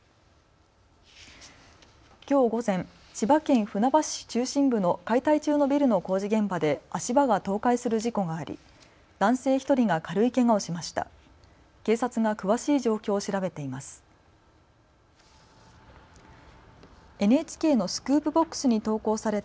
きょう午前、千葉県船橋市中心部の解体中のビルの工事現場で足場が倒壊する事故があり男性１人が軽いけがをしました。